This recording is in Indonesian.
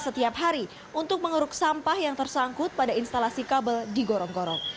setiap hari untuk mengeruk sampah yang tersangkut pada instalasi kabel di gorong gorong